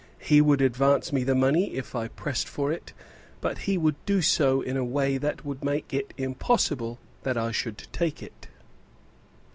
He would advance me the money if I pressed for it, but he would do so in a way that would make it impossible that I should take it."